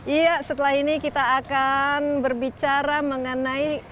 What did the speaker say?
iya setelah ini kita akan berbicara mengenai